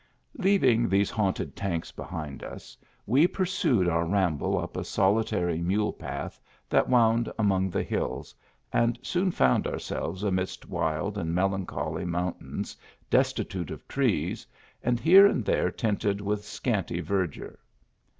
Leaving these haunted tanks behind us, we pur sued our ramble up a solitary mule path that wound among the hills, and soon found ourselves amidst wild and melancholy mountains, destitute of trees, and here and there tinted with scanty verdure.